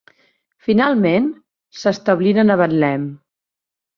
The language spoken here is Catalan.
Finalment, s'establiren a Betlem.